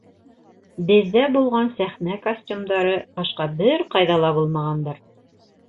Беҙҙә булған сәхнә костюмдары башҡа бер ҡайҙа ла булмағандыр.